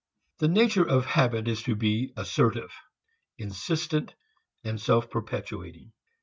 The nature of habit is to be assertive, insistent, self perpetuating.